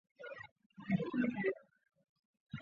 深绿细辛为马兜铃科细辛属下的一个变种。